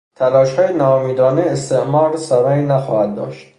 تلاشهای ناامیدانه استعمار ثمری نخواهد داشت.